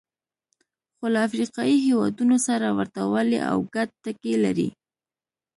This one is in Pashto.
خو له افریقایي هېوادونو سره ورته والی او ګډ ټکي لري.